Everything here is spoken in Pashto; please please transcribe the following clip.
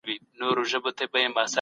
که شعور وي، نو سيالي به سوله ييزه وي.